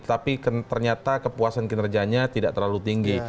tapi ternyata kepuasan kinerjanya tidak terlalu tinggi